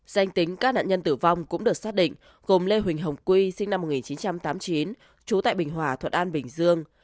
danh tính các nạn nhân tử vong cũng được xác định gồm lê huỳnh hồng quy sinh năm một nghìn chín trăm tám mươi chín trú tại bình hòa thuận an bình dương